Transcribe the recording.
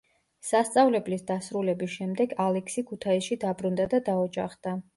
სასწავლებლის დასრულების შემდეგ ალექსი ქუთაისში დაბრუნდა და დაოჯახდა.